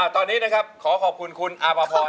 ตอนนี้ขอขอบคุณคุณอ่าพอพอล